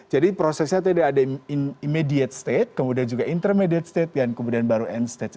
jadi prosesnya tadi ada immediate state kemudian juga intermediate state dan kemudian baru end state